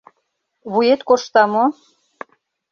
Вует коршта мо?